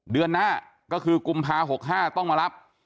เดือนหน้าก็คือกุมภา๖๕ต้องมารับ